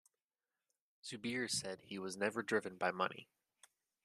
Zubir said he was never driven by money.